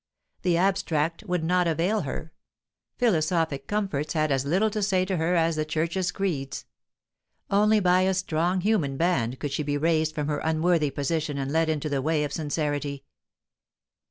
The abstract would not avail her; philosophic comforts had as little to say to her as the Churches' creeds. Only by a strong human band could she be raised from her unworthy position and led into the way of sincerity.